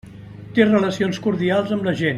Té relacions cordials amb la gent.